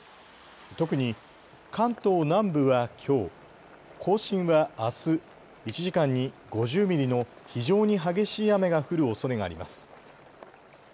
特に関東南部は、きょう、甲信はあす、１時間に５０ミリの非常に激しい雨が降るおそれがあります。